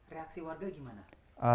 reaksi warga gimana